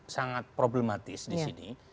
sangat problematis disini